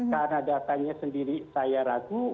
karena datanya sendiri saya ragu